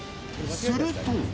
すると。